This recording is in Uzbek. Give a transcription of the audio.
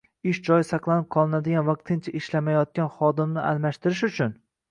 ish joyi saqlanib qolinadigan vaqtincha ishlamayotgan xodimni almashtirish uchun;